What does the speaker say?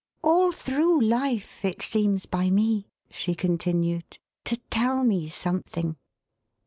" All through life, it seems by me," she continued, " to tell me something.